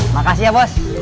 makasih ya bos